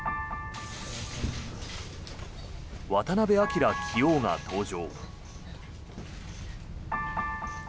渡辺明棋王が登場。